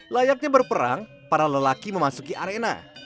layaknya berperang para lelaki memasuki arena